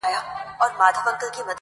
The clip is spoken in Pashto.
خوله په غاښو ښايسته وي.